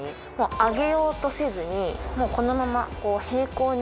上げようとせずにもうこのまま平行に。